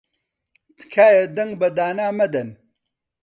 تکایە دەنگ بە دانا مەدەن.